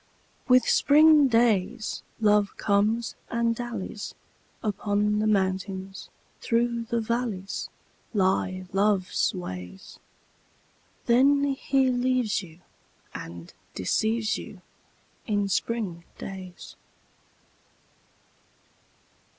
With spring days Love comes and dallies: Upon the mountains, through the valleys Lie Love's ways. Then he leaves you and deceives you In spring days.